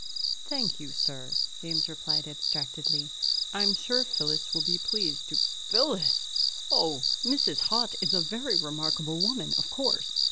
"Thank you, sir," James replied abstractedly. "I'm sure Phyllis will be pleased to " "Phyllis! Oh, Mrs. Haut is a very remarkable woman, of course.